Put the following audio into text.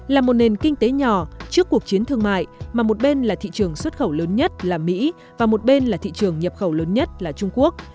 là một nền kinh tế nhỏ trước cuộc chiến thương mại mà một bên là thị trường xuất khẩu lớn nhất là mỹ và một bên là thị trường nhập khẩu lớn nhất là trung quốc